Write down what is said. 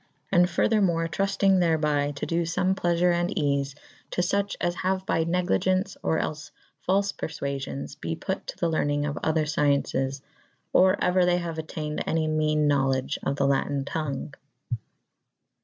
And further more truftynge therby to do fome pleafure and eafe to fuche as haue by neclygence'' or els falfe parfuafyons '* be put to the lernynge of other fcyences or euer [A iii b] they haue attayned any meane knowledge of the latyne tonge."'